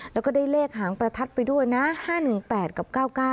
แล้วก็ได้เลขหางประทัดไปด้วยนะ๕๑๘กับ๙๙